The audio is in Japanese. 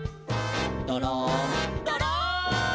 「どろんどろん」